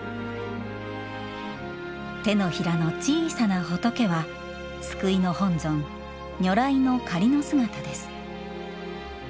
手のひらの小さな仏は救いの本尊、如来の仮の姿です。